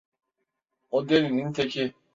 O delinin teki.